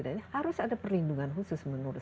harus ada perlindungan khusus menurut